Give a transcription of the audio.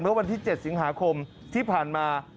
เมื่อวันที่๗สิงหาคมที่ผ่านมา